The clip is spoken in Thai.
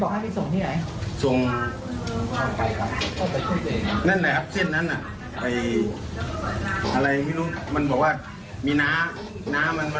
ก็หยิงเมื่อกี้หน่อยแระ